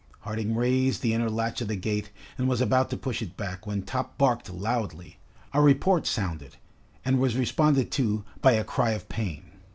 Harding raised the inner latch of the gate and was about to push it back, when Top barked loudly. A report sounded and was responded to by a cry of pain.